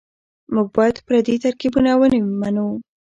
موږ بايد پردي ترکيبونه ونه منو.